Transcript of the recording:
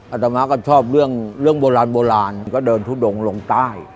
อาตมาก็ชอบเรื่องโบราณโบราณก็เดินทุดงลงใต้